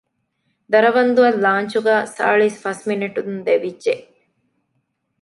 ދަރަވަންދުއަށް ލާންޗުގައި ސާޅީސް ފަސް މިނެޓުން ދެވިއްޖެ